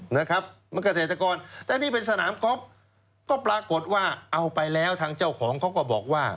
นะครับมันเกษตรกรแต่นี่เป็นสนามก๊อฟก็ปรากฏว่าเอาไปแล้วทางเจ้าของเขาก็บอกว่า